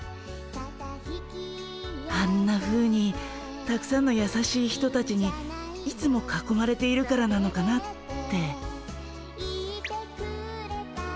あんなふうにたくさんのやさしい人たちにいつもかこまれているからなのかなって。